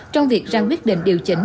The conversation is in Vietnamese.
trong việc ra quyết định điều chỉnh